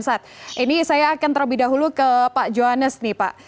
mas jokod ini saya akan terlebih dahulu ke pak juwades nih pak